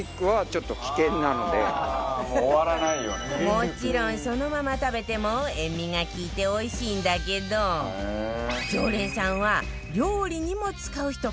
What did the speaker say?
もちろんそのまま食べても塩味が利いておいしいんだけど常連さんは料理にも使う人結構いるみたいよ